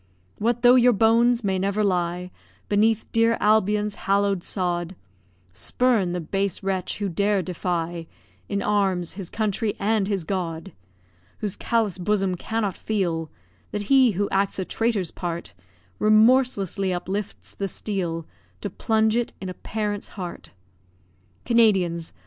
What though your bones may never lie Beneath dear Albion's hallow'd sod, Spurn the base wretch who dare defy, In arms, his country and his God! Whose callous bosom cannot feel That he who acts a traitor's part, Remorselessly uplifts the steel To plunge it in a parent's heart. Canadians!